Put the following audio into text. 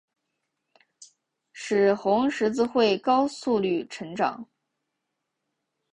使红十字会高速率成长。